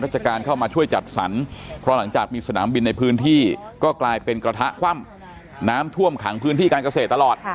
การเข้ามาช่วยจัดสรรเพราะหลังจากมีสนามบินในพื้นที่ก็กลายเป็นกระทะคว่ำน้ำท่วมขังพื้นที่การเกษตรตลอด